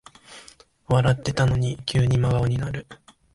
笑ってたのに急に真顔になる